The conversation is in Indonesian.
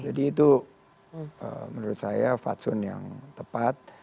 jadi itu menurut saya fatsun yang tepat